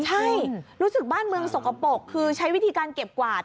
ใช่รู้สึกบ้านเมืองสกปรกคือใช้วิธีการเก็บกวาด